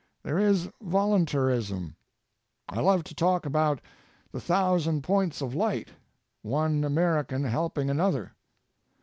There is voluntarism. I love to talk about the thousand Points of Light, one American helping another.